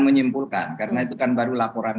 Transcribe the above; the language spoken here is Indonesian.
menyimpulkan karena itu kan baru laporan